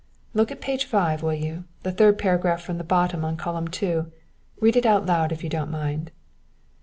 "Look at page five, will you, the third paragraph from the bottom on column two. Read it out loud if you don't mind."